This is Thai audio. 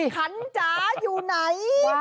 ขันจ๋าอยู่ไหน